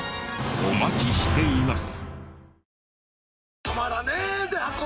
お待ちしています。